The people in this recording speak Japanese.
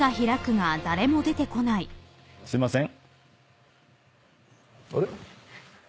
すいません。